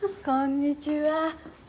こんにちは。